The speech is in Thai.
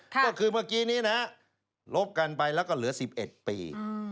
ก็คือเมื่อกี้นี้นะลบกันไปแล้วก็เหลือ๑๑ปี